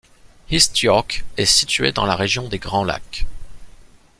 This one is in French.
East York est situé dans la région des Grands Lacs.